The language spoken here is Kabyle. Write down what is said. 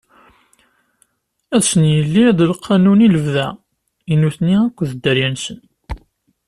Ad sen-yili d lqanun i lebda i nutni akked dderya-nsen.